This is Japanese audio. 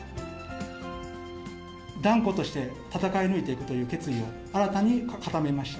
断固として戦い抜いていくという決意を新たに固めました。